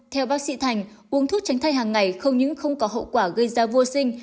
theo bác sĩ thành uống thuốc tránh thai hàng ngày không những không có hậu quả gây ra vô sinh